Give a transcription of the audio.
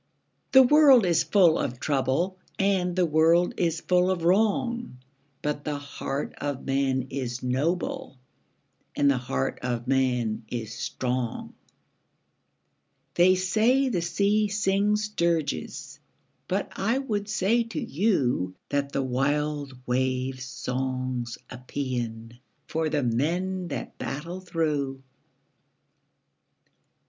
The world is full of trouble, And the world is full of wrong, But the heart of man is noble, And the heart of man is strong! They say the sea sings dirges, But I would say to you That the wild wave's song's a paean For the men that battle through.